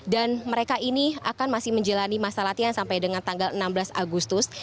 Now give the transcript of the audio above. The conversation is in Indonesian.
dan mereka ini akan masih menjalani masa latihan sampai dengan tanggal enam belas agustus